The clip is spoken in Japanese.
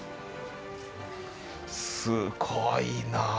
すごいな。